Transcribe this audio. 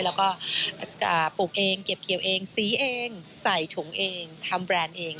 แล้วก็ปลูกเองเก็บเกี่ยวเองสีเองใส่ถุงเองทำแบรนด์เอง